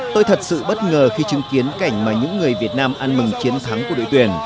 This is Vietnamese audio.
tôi thật sự bất ngờ khi chứng kiến cảnh mà những người việt nam ăn mừng chiến thắng của đội tuyển